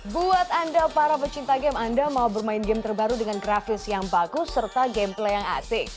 buat anda para pecinta game anda mau bermain game terbaru dengan grafis yang bagus serta game play yang asing